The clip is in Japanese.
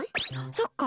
そっか！